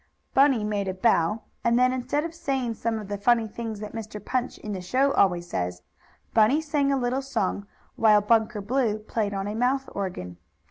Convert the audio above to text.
Bunny made a bow, and then, instead of saying some of the funny things that Mr. Punch in the show always says, Bunny sang a little song, while Bunker Blue played on a mouth organ.